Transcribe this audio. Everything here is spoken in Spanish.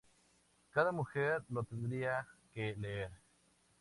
Cada mujer lo tendría que leer.